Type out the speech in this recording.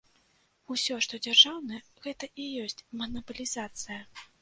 Усё, што дзяржаўнае, гэта і ёсць манапалізацыя.